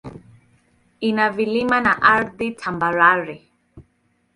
Ina vilima na ardhi tambarare.